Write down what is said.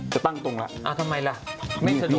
จะตั้งตรงแล้วทำไมล่ะไม่สนุก